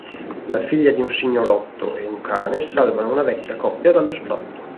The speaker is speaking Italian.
La figlia di un signorotto e un cane salvano una vecchia coppia dallo sfratto.